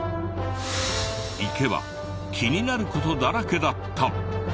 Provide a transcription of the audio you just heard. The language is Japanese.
行けば気になる事だらけだった。